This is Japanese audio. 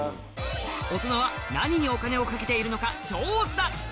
オトナは何にお金をかけているのか調査！